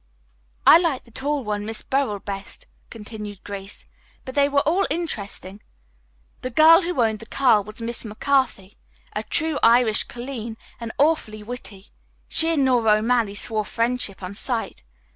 "I liked the tall one, Miss Burrell, best," continued Grace, "but they were all interesting. The girl who owned the car was a Miss McCarthy, a true Irish colleen and awfully witty. She and Nora O'Malley swore friendship on sight.